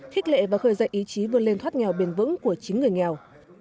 thích lệ và khởi dạy ý chí vươn lên thoát nghèo bền vững của chính người nghèo